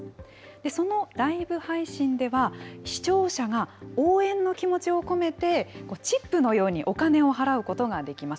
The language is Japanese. そのライブ配信では、視聴者が応援の気持ちを込めて、チップのようにお金を払うことができます。